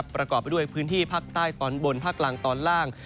ประกอบไปด้วยพื้นที่ภาคใต้ตอนบนภาคกลางตอนล่าง